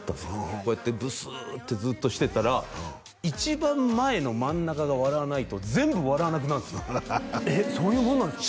こうやってぶすっとずっとしてたら一番前の真ん中が笑わないと全部笑わなくなるんですよえっそういうもんなんですか？